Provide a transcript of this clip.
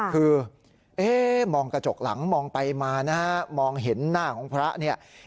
คือมองกระจกหลังมองไปมานะฮะมองเห็นหน้าของพระเนี่ย